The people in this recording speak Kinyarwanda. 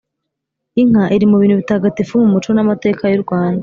Inka iri mu bintu bitagatifu mu muco n’amateka y’u Rwanda